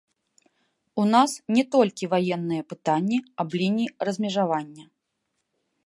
У нас не толькі ваенныя пытанні аб лініі размежавання.